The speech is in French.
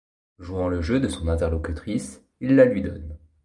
Jouant le jeu de son interlocutrice, il la lui donne.